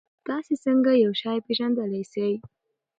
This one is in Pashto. تاسې څنګه یو شی پېژندلای سئ؟